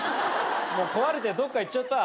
もう壊れてどっか行っちゃった。